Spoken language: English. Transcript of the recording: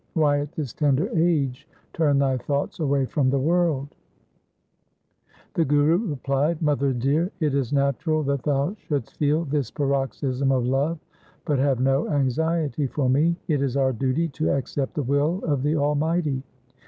Why at this tender age turn thy thoughts away from the world ?' The Guru replied, ' Mother dear, it is natural that thou shouldst feel this paroxysm of love, but have no anxiety for me. It is our duty to accept the will of the Almighty.